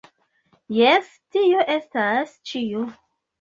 Jes tio estas ĉio!